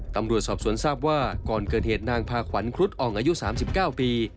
ตำรวจสอบสวนทราบว่าก่อนเกิดเหตุนางพาขวัญครุฑอ่องอายุ๓๙ปี